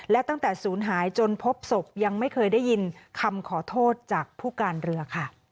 และตั้งแต่ศูนย์หายจนพบศพยังไม่เคยได้ยินคำขอโทษจากผู้การเรือค่ะ